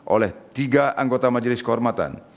oleh tiga anggota majelis kehormatan